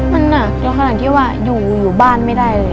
มันน่ะอยู่ขนาดที่ว่าอยู่อยู่บ้านไม่ได้เลย